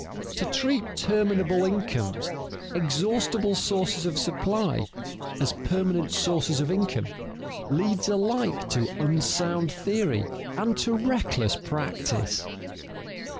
To treat terminable incomes, exhaustible sources of supply, as permanent sources of income, leads alike to unsound theory and to reckless practice.